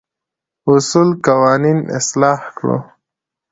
اصول قوانين اصلاح کړو.